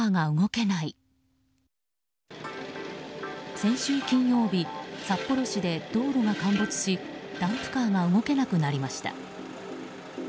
先週金曜日札幌市で道路が陥没しダンプカーが動けなくなりました。